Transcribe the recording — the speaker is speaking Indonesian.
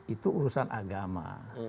itu urusan agama